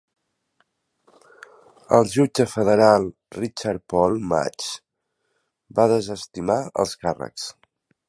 El jutge federal Richard Paul Matsch va desestimar els càrrecs.